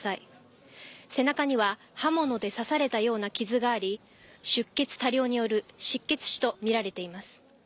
背中には刃物で刺されたような傷があり出血多量による失血死とみられています。